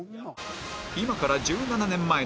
今から１７年前の『出没！